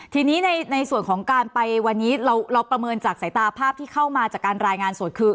ทีนี้ในส่วนของการไปวันนี้เราประเมินจากสายตาภาพที่เข้ามาจากการรายงานสดคือ